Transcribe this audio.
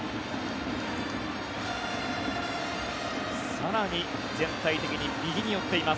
更に全体的に右に寄っています。